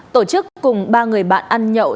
tổ chức cùng ba người bạn ăn nhậu